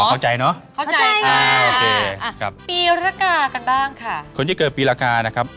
ขอบใจเนอะ